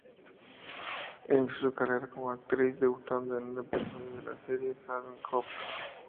Inicio su carrera como actriz debutando en un episodio de la serie "Saving Hope".